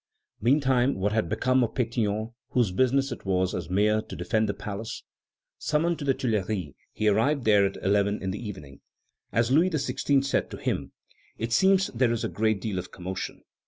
Meantime what had become of Pétion, whose business it was, as mayor, to defend the palace? Summoned to the Tuileries, he arrived there at eleven in the evening. As Louis XVI. said to him: "It seems there is a great deal of commotion?"